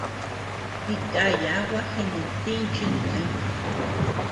Dikaya gua jinetïñ chi kuëñ.